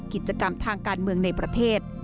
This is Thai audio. กิจกรรมทางการเมืองในประเทศ